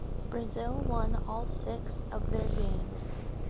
Brazil won all six of their games.